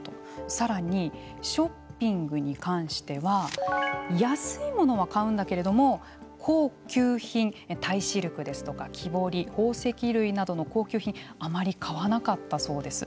さらにショッピングに関しては安いものは買うんだけれども高級品タイシルクですとか木彫り宝石類などの高級品あまり買わなかったそうです。